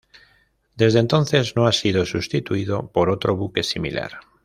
Desde entonces no ha sido sustituido por otro buque similar.